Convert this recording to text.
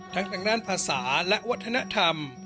ทางด้านภาษาและวัฒนธรรม